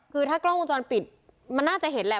คือถ้ากล้องวงจรปิดมันน่าจะเห็นแหละ